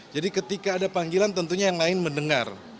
jadi ketika ada panggilan tentunya yang lain mendengar